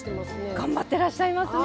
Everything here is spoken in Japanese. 頑張ってらっしゃいますね。